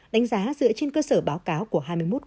đánh giá dựa trên cơ sở báo cáo của hai mươi một